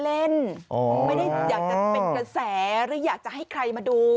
ไม่ได้อยากจะเป็นกระแสหรืออยากจะให้ใครมาดู